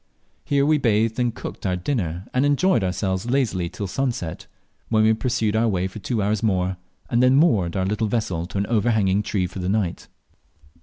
Here we bathed and cooked our dinner, and enjoyed ourselves lazily till sunset, when we pursued our way for two hours snore, and then moored our little vessel to an overhanging tree for the night.